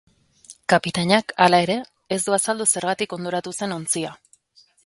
Kapitainak, hala ere, ez du azaldu zergatik hondoratu zen ontzia.